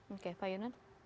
oke pak yunan